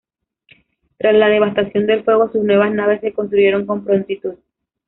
Tras la devastación del fuego, sus nuevas naves se construyeron con prontitud.